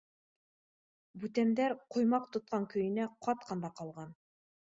— Бүтәндәр ҡоймаҡ тотҡан көйөнә ҡатҡан да ҡалған.